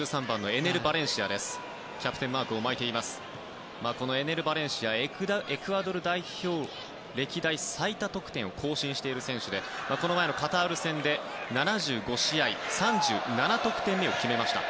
エネル・バレンシアエクアドル代表で歴代最多得点を更新している選手でこの前のカタール戦で７５試合３７得点目を決めました。